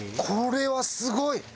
これはすごい！